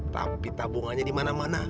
tapi tabungannya dimana mana